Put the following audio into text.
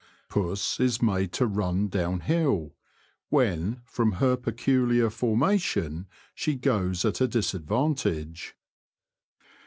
Puss is made to run down hill, when, from her peculiar formation, she goes at a disadvantage.